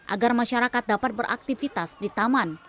agar masyarakat dapat beraktivitas di taman